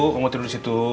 kamu tidur di situ